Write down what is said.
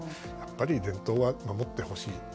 やっぱり伝統は守ってほしい。